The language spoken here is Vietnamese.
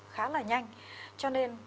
khá là nhanh cho nên